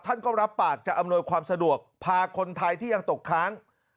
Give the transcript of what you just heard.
ท่านก็รับปากจะอำนวยความสะดวกพาคนไทยที่ยังตกค้าง